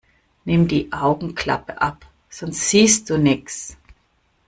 Nimm die Augenklappe ab, sonst siehst du nichts!